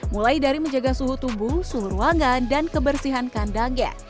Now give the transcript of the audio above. mulai dari menjaga suhu tubuh seluruh ruangan dan kebersihan kandangnya